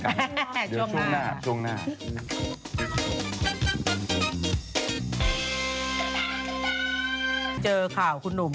อยากกินก็กินไม่ต้องไอ้ม้าชอบมากนะ